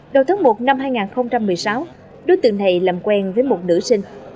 đầu tháng một năm hai nghìn một mươi sáu đối tượng này làm quen với một nữ sinh